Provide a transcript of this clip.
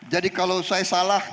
jadi kalau saya salah